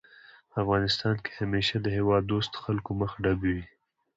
په افغانستان کې همېشه د هېواد دوستو خلکو مخه ډب وي